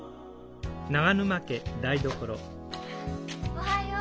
おはよう。